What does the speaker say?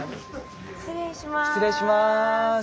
失礼します。